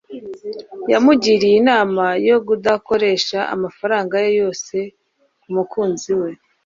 yamugiriye inama yo kudakoresha amafaranga ye yose ku mukunzi we